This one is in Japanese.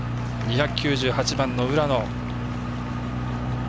２９８番の浦野。